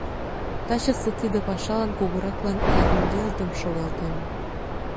Тачысе тиде пашалан кугураклан Янгелдым шогалтем.